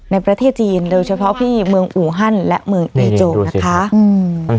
ในประเทศจีนโดยเฉพาะที่เมืองอูฮันและเมืองเอโจนะคะอืม